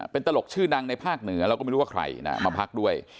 เป็นตลกชื่อดังในภาคเหนือเราก็ไม่รู้ว่าใครนะมาพักด้วย